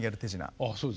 ああそうですか。